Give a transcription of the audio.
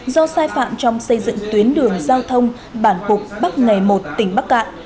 do sai phạm trong xây dựng tuyến đường giao thông bản phục bắc ngày một tỉnh bắc cạn